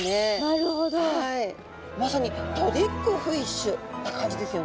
まさにトリックフィッシュな感じですよね。